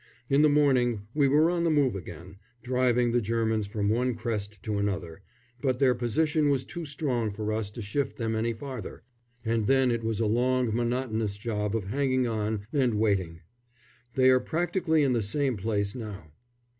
In the morning we were on the move again, driving the Germans from one crest to another, but their position was too strong for us to shift them any farther, and then it was a long monotonous job of hanging on and waiting. They are practically in the same place now.